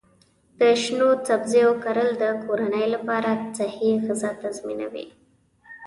د شنو سبزیو کرل د کورنۍ لپاره صحي غذا تضمینوي.